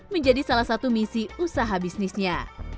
menjadi salah satu misi usaha bisnisnya